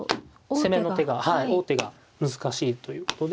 攻めの手がはい王手が難しいということで。